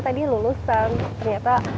tadi lulusan ternyata